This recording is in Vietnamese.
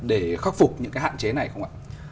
để khắc phục những cái hạn chế này không ạ